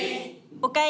おかえり。